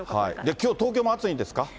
きょう、東京も暑いんですか。